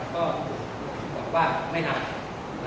ก็แบบว่าไม่นาน